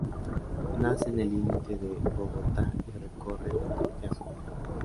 Nace en el límite con Bogotá y recorre de norte a sur.